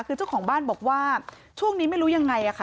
คือเจ้าของบ้านบอกว่าช่วงนี้ไม่รู้ยังไงค่ะ